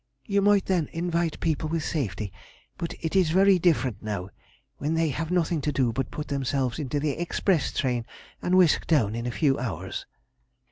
You might then invite people with safety, but it is very different now, when they have nothing to do but put themselves into the express train and whisk down in a few hours.'